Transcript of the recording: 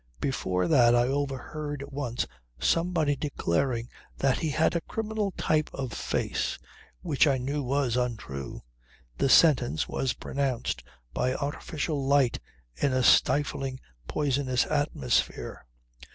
Before that I overheard once somebody declaring that he had a criminal type of face; which I knew was untrue. The sentence was pronounced by artificial light in a stifling poisonous atmosphere.